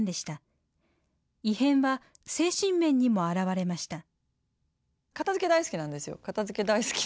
異変は、精神面にも現れました。